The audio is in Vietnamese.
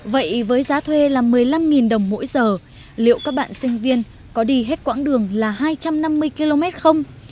vậy với giá thuê là một mươi năm đồng mỗi giờ liệu các bạn sinh viên có đi hết quãng đường là hai trăm năm mươi km không